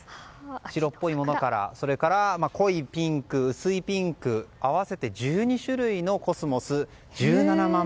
白っぽいものから濃いピンク、薄いピンク合わせて１２種類のコスモス１７万